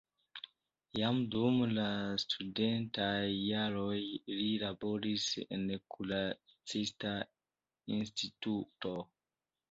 Jam dum la studentaj jaroj li laboris en kuracista instituto.